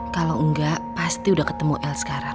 kalau enggak pasti udah ketemu l sekarang